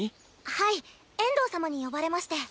はいエンドー様に呼ばれまして。